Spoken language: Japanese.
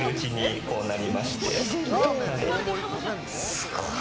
すごい！